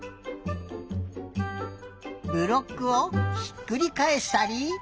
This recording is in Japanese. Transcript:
ブロックをひっくりかえしたり。